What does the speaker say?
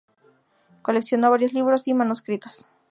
Coleccionó varios libros y manuscritos.